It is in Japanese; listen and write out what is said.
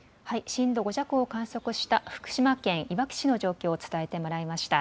震度５弱を観測した福島県いわき市の状況を伝えてもらいました。